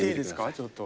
ちょっと。